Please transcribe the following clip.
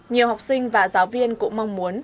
nhiều học sinh và giáo viên cũng mong muốn